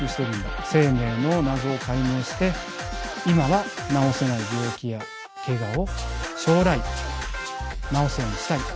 生命の謎を解明して今は治せない病気やけがを将来治すようにしたい。